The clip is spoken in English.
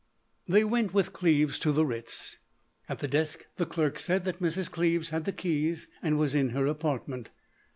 They went with Cleves to the Ritz. At the desk the clerk said that Mrs. Cleves had the keys and was in her apartment.